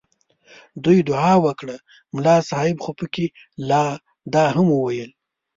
دوی دعا وکړه ملا صاحب خو پکې لا دا هم وویل.